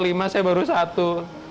saya baru satu